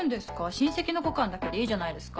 「親戚の子感」だけでいいじゃないですか。